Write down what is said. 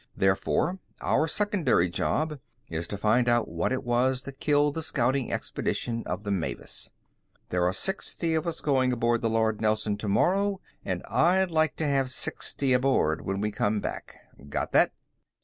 Therefore, our secondary job is to find out what it was that killed the scouting expedition of the Mavis. There are sixty of us going aboard the Lord Nelson tomorrow, and I'd like to have sixty aboard when we come back. Got that?"